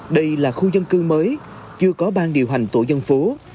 đây là khu dân cư mới chưa có ban điều hành tổ dân phố